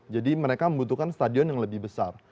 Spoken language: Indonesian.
jadi mereka membutuhkan stadion yang lebih besar